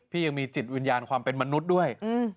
พี่ยังมีจิตวิญญาณความเป็นมนุษย์ด้วย